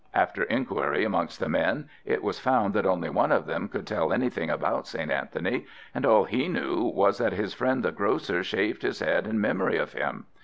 After inquiry amongst the men, it was found that only one of them could tell anything about St. Anthony, and all he knew was that his friend the Grocer shaved his head in memory of him.